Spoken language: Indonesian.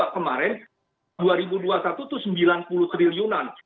kemarin dua ribu dua puluh satu itu sembilan puluh triliunan